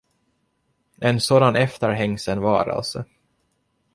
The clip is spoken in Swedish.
En sådan efterhängsen varelse!